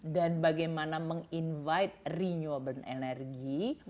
dan bagaimana meng invite renewable energy